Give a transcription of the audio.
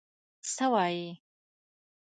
څه وايې؟